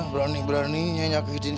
berani berani nyanyiak izin